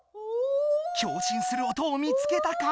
共振する音を見つけたか？